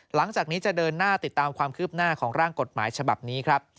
หลังจากนี้จะเดินหน้าติดตามความคืบหน้าของร่างกฎหมายฉบับนี้ครับ